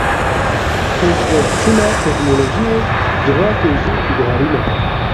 Pêşveçûna teknolojiyê civakê jî diguherîne.